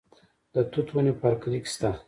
د توت ونې په هر کلي کې شته.